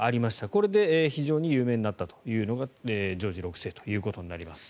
これで非常に有名になったというのがジョージ６世となります。